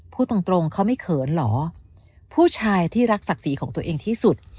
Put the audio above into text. พูดตรงตรงเขาไม่เขินเหรอผู้ชายที่รักศักดิ์ศรีของตัวเองที่สุด